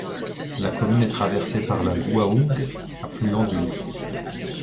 La commune est traversée par la Gouaougue, affluent droit du Louts.